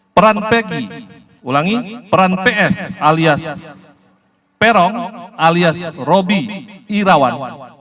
peran peki ulangi peran ps alias peron alias robi irawan